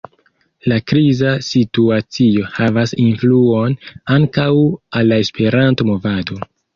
La kriza situacio havas influon ankaŭ al la Esperanto-movado.